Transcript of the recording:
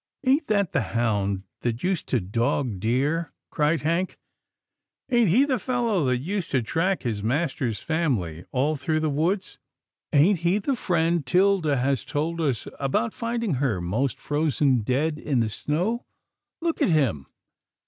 " Ain't that the hound that used to dog deer," cried Hank, " ain't he the fellow that used to track his master's family all through the woods — ain't he the friend 'Tilda has told us about finding her most frozen dead in the snow — look at him.